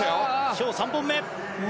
今日３本目。